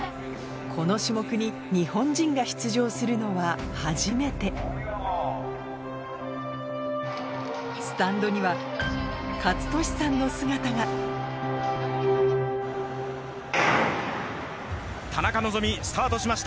この種目に日本人が出場するのは初めてスタンドには健智さんの姿が田中希実スタートしました。